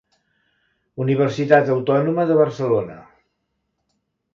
Universitat Autònoma de Barcelona.